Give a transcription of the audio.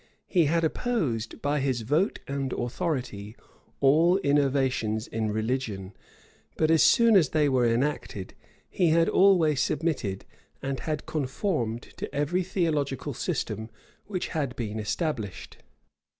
He had opposed, by his vote and authority, all innovations in religion; but as soon as they were enacted, he had always submitted, and had conformed to every theological system which had been established.